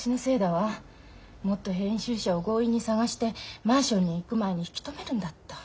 もっと編集者を強引に捜してマンションに行く前に引き止めるんだった。